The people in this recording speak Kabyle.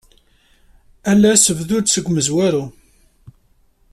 Ales bdu-d seg umezwaru.